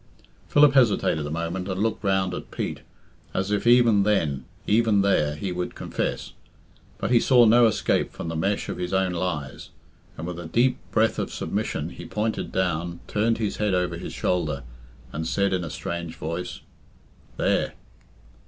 Philip hesitated a moment, and looked round at Pete, as if even then, even there, he would confess. But he saw no escape from the mesh of his own lies, and with a deep, breath of submission he pointed down, turned his head over his shoulder, and said in a strange voice "There."